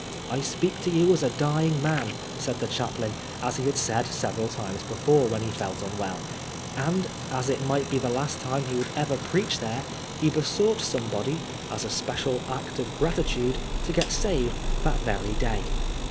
" I speak to you as a dying man,*^ said the chaplain, as he had said several times before when he felt unwell ; and as it might be the last time he would ever preach there, he besought somebody, as PABSON PLAFOBD. 147 a special act of gratitude, to get saved that very day.